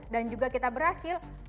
dan juga kita berhasil